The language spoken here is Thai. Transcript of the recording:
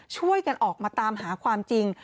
ช่วยกันออกมาตามหาความจริง